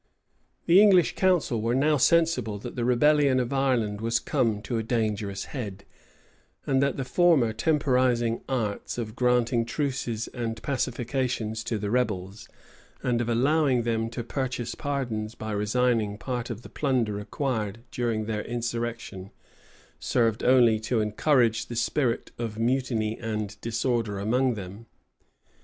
[*] The English council were now sensible, that the rebellion of Ireland was come to a dangerous head, and that the former temporizing arts, of granting truces and pacifications to the rebels, and of allowing them to purchase pardons by resigning part of the plunder acquired during their insurrection, served only to encourage the spirit of mutiny and disorder among them.